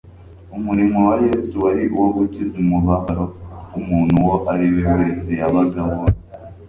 Umurimo wa Yesu wari uwo gukiza umubabaro w'umuntu uwo ariwe wese yabaga abonye